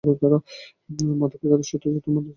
মাধব এই কথা সহ্য করতে পারে না যে তার স্ত্রী ব্যভিচার করেছে।